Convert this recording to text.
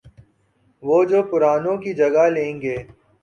وہ جو پرانوں کی جگہ لیں گے۔